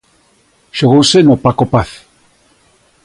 Xogouse no Paco Paz.